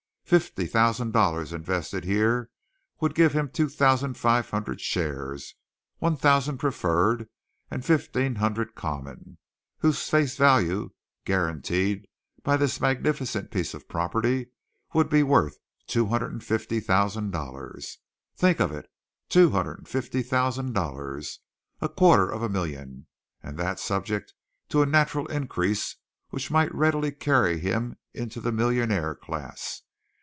Fifty thousand dollars invested here would give him two thousand five hundred shares one thousand preferred, and fifteen hundred common whose face value, guaranteed by this magnificent piece of property, would be $250,000. Think of it, $250,000 a quarter of a million and that subject to a natural increase which might readily carry him into the millionaire class!